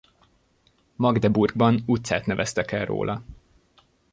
Magdeburgban utcát neveztek el róla.